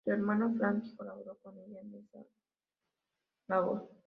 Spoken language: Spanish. Su hermano Frankie colaboró con ella en esta labor.